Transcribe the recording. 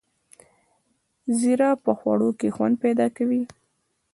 زیره په خوړو کې خوند پیدا کوي